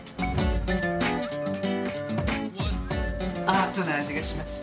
アートなあじがします。